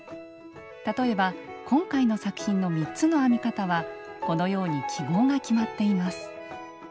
例えば今回の作品の３つの編み方はこのように記号が決まっています。